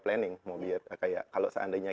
planning kalau seandainya